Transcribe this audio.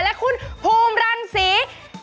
และคุณภูมิรังศรี